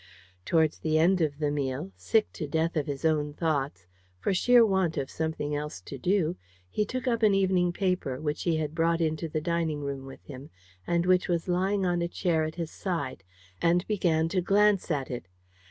Towards the end of the meal, sick to death of his own thoughts, for sheer want of something else to do, he took up an evening paper, which he had brought into the room with him, and which was lying on a chair at his side, and began to glance at it.